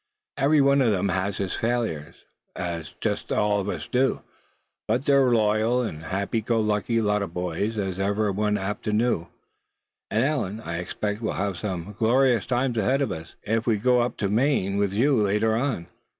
Every one of them has his failings, just as all of us do; but they're as loyal and happy go lucky a lot of boys as ever any one knew. And Allan, I expect we'll have some glorious times ahead of us, if we go up into Maine with you, later on.